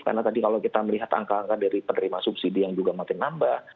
karena tadi kalau kita melihat angka angka dari penerima subsidi yang juga makin nambah